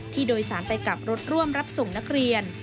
โดยสารไปกับรถร่วมรับส่งนักเรียน